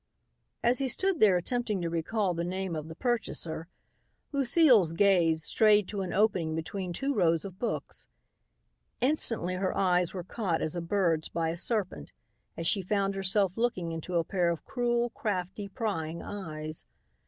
As he stood there attempting to recall the name of the purchaser, Lucile's gaze strayed to an opening between two rows of books. Instantly her eyes were caught as a bird's by a serpent, as she found herself looking into a pair of cruel, crafty, prying eyes.